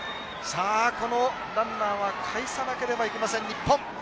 このランナーはかえさなければいけません日本。